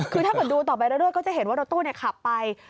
คือถ้าเกิดดูต่อไปเรื่อยก็จะเห็นว่ารถตู้ขับไป